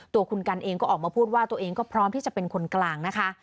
ตัวคุณกันเองก็ออกมาพูดว่าตัวเองก็พร้อมที่จะเป็นคนกลางนะคะ